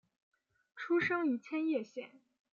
出生于千叶县。